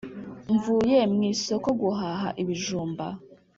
Mvuye mu isoko guhaha ibijumba.